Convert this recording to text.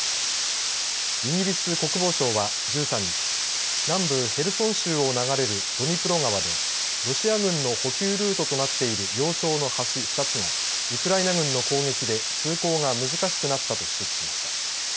イギリス国防省は１３日南部ヘルソン州を流れるドニプロ川でロシア軍の補給ルートとなっている要衝の橋２つがウクライナ軍の攻撃で通行が難しくなったと指摘しました。